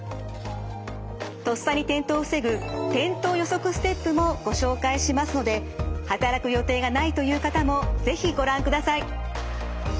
とっさに転倒を防ぐ転倒予測ステップもご紹介しますので働く予定がないという方も是非ご覧ください。